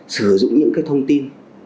sử dụng những thông tin